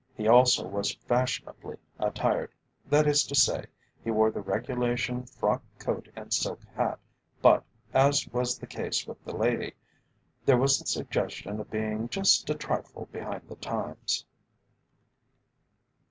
He also was fashionably attired, that is to say, he wore the regulation frock coat and silk hat, but, as was the case with the lady, there was the suggestion of being just a trifle behind the times.